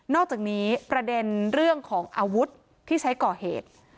อกจากนี้ประเด็นเรื่องของอาวุธที่ใช้ก่อเหตุ